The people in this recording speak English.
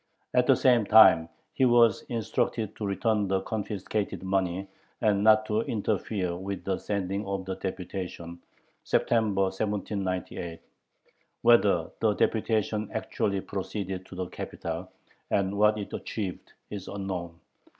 At the same time he was instructed to return the confiscated money and not to interfere with the sending of the deputation (September, 1798). Whether the deputation actually proceeded to the capital, and what it achieved, is unknown.